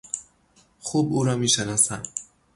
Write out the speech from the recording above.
خوب او را میشناسم.